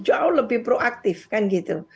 komunitas itu jauh lebih proaktif kan gitu